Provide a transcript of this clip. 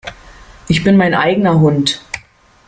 Ich bin mein eigener Hund.